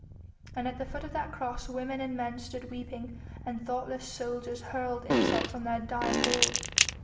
And at the foot of that Cross women and men stood weeping, and thoughtless soldiers hurled insults on their dying Lord.